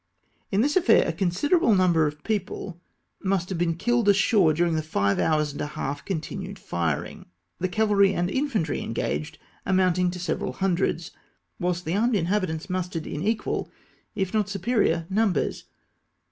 In this afiair a considerable number of people must AJ^CIIOR OFF CETTE. 281 have been killed ashore clurmg the five hours and a half continued firing ; the cavalry and infantry en gaged amounting to several hundreds, whilst the armed inhabitants mustered in equal, if not superior numbers.